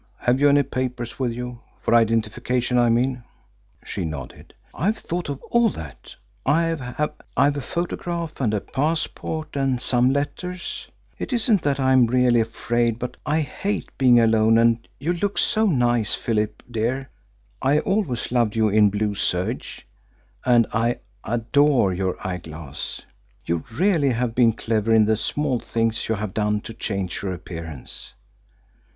Have you any papers with you for identification, I mean?" She nodded. "I've thought of all that. I've a photograph and a passport and some letters. It isn't that I'm really afraid, but I hate being alone, and you look so nice, Philip dear. I always loved you in blue serge, and I adore your eyeglass. You really have been clever in the small things you have done to change your appearance.